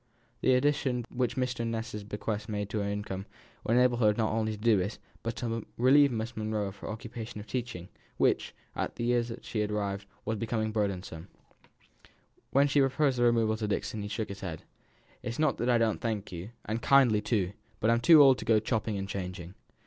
The addition which Mr. Ness's bequest made to her income would enable her to do not only this, but to relieve Miss Monro of her occupation of teaching; which, at the years she had arrived at, was becoming burdensome. When she proposed the removal to Dixon he shook his head. "It's not that I don't thank you, and kindly, too; but I'm too old to go chopping and changing."